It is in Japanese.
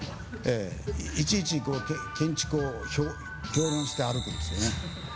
いちいち建築を評論して歩くんですけどね。